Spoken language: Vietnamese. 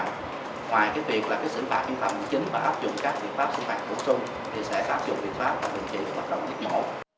ngoài cái việc là cái xử phạm chính và áp dụng các biện pháp xử phạm tổn thương thì sẽ áp dụng biện pháp và bình chỉnh hợp đồng giết mổ